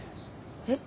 えっ？